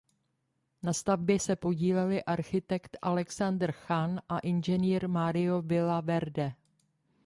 Na stavbě se podíleli architekt Alexander Chan a inženýr Mario Vila Verde.